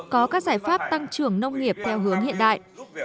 có các giải pháp tăng trưởng nông nghiệp theo hướng hiện đại